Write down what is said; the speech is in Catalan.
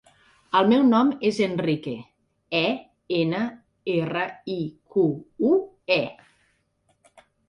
El meu nom és Enrique: e, ena, erra, i, cu, u, e.